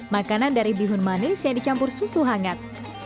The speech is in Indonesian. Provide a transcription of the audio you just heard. makanan dari bihun manis yang dicampur susu hangat